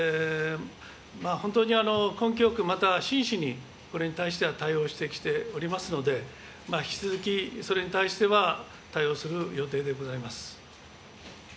本当に根気よく、また真摯にこれに対しては対応してきておりますので、引き続き、それに対しては対応する予定でございます。